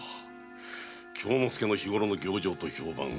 京之介の日ごろの行状と評判。